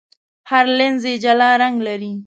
هر لینز یې جلا رنګ لري.